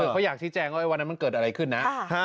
เขาอยากชี้แจงว่าวันนั้นมันเกิดอะไรขึ้นนะ